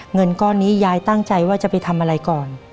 เงินก้อนนี้ยายตั้งใจว่าจะไปทำอะไรก่อน